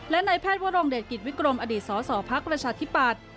และนายแพทย์วรงเดชกิจวิกรมอดีตสสพักประชาธิปัตย์